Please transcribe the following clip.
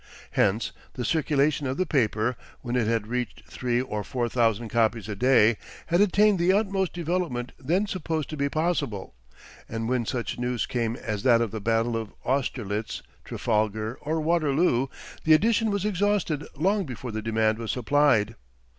Hence the circulation of the paper, when it had reached three or four thousand copies a day, had attained the utmost development then supposed to be possible; and when such news came as that of the battle of Austerlitz, Trafalgar, or Waterloo, the edition was exhausted long before the demand was supplied.